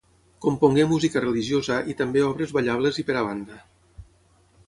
Compongué música religiosa, i també obres ballables i per a banda.